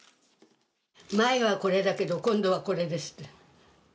前がこれだけど、今度はこれです。